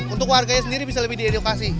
untuk warganya sendiri bisa lebih diedukasi